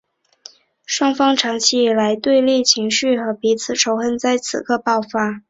双方长期以来的对立情绪和彼此仇恨在此刻爆发。